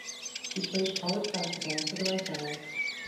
She played college basketball for the Rice Owls.